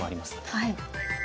はい。